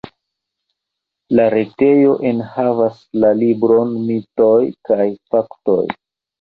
La retejo enhavas la libron Mitoj kaj Faktoj.